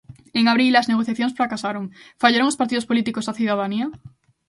En abril as negociacións fracasaron, fallaron os partidos políticos á cidadanía?